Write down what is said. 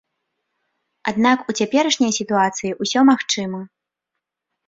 Аднак у цяперашняй сітуацыі ўсё магчыма.